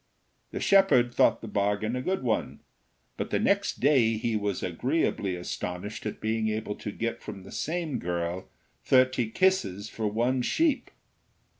The shepherd thought the bargain a good one, but the next day he was agreeably astonished at being able to get from the same girl thirty kisses for one sheep.